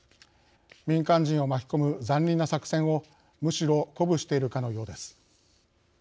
民間人を巻き込む残忍な作戦をむしろ鼓舞しているかのようです。